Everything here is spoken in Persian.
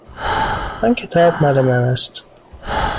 آن کتاب مال من است.